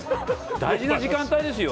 大事な時間帯ですよ。